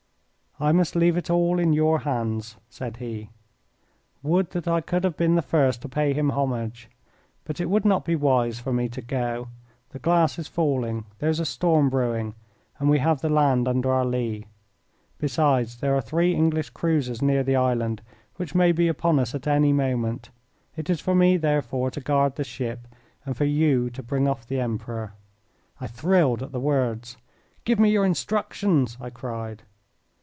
"I must leave it all in your hands," said he. "Would that I could have been the first to pay him homage, but it would not be wise for me to go. The glass is falling, there is a storm brewing, and we have the land under our lee. Besides, there are three English cruisers near the island which may be upon us at any moment. It is for me, therefore, to guard the ship and for you to bring off the Emperor." I thrilled at the words. "Give me your instructions!" I cried.